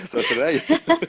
sok seru aja